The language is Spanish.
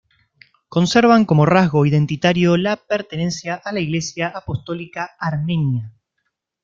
Conservan como rasgo identitario la pertenencia a la Iglesia apostólica armenia.